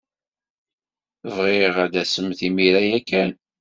Bɣiɣ ad d-tasemt imir-a ya kan.